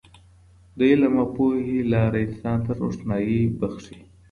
د علم او پوهې لاره انسان ته روښنايي بښي.